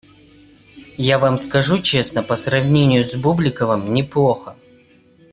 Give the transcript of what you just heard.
Я Вам скажу честно: по сравнению с Бубликовым - неплохо.